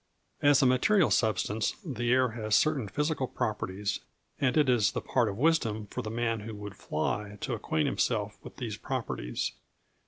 As a material substance the air has certain physical properties, and it is the part of wisdom for the man who would fly to acquaint himself with these properties.